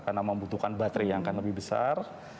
karena membutuhkan baterai yang akan lebih besar